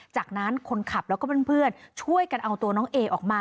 จากนั้นคนขับแล้วก็เพื่อนช่วยกันเอาตัวน้องเอออกมา